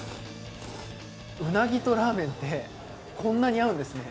うなぎとラーメンってこんなに合うんですね！